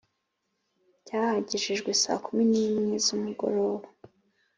Byahagejejwe saa kumi n’imwe z’umugoroba